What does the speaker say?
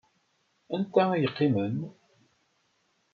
Anta i yeqqimen?